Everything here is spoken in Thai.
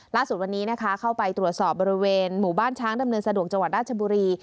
ล่าสุดวันนี้นะคะเข้าไปตรวจสอบบริเวณหมู่บ้านช้างดำเนินสะดวกจังหวัดราชบุรี